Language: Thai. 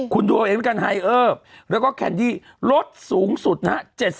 คุณดูเหมือนกันไฮเออร์แล้วก็แคนดี้ลดสูงสุดนะ๗๐